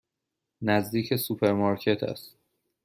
نزدیک سوپرمارکت است.